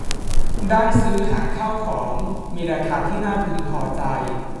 ได้ซื้อหาข้าวของมีราคาที่น่าพึงพอใจ